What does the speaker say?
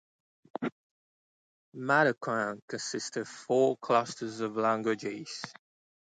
Matacoan consists of four clusters of languages.